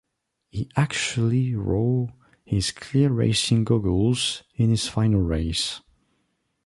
He actually wore his clear racing goggles in his final race.